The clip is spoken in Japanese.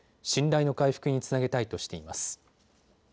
信頼の回復につなげたいとしています。